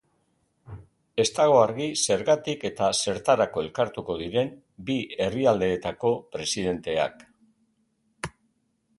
Ez dago argi zergatik eta zertarako elkartuko diren bi herrialdeetako presidenteak.